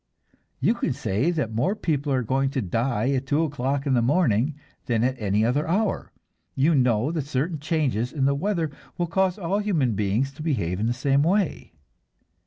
You can say that more people are going to die at two o'clock in the morning than at any other hour. You know that certain changes in the weather will cause all human beings to behave in the same way.